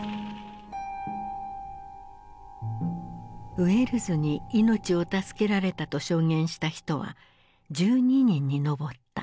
ウェルズに命を助けられたと証言した人は１２人に上った。